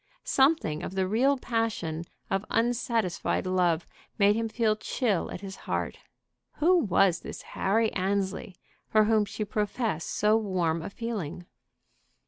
Something of the real passion of unsatisfied love made him feel chill at his heart. Who was this Harry Annesley, for whom she professed so warm a feeling?